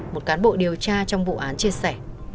một cán bộ điều tra trong vụ án chia sẻ